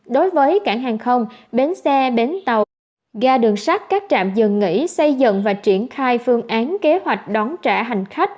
đối với cảng hàng không bến xe bến tàu ga đường sắt các trạm dừng nghỉ xây dựng và triển khai phương án kế hoạch đón trả hành khách